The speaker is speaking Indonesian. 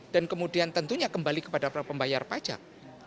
dan kemudian tentunya kembali kepada pembayar pajak